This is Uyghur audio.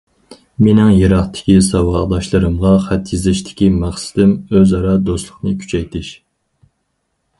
مېنىڭ يىراقتىكى ساۋاقداشلىرىمغا خەت يېزىشتىكى مەقسىتىم ئۆزئارا دوستلۇقنى كۈچەيتىش.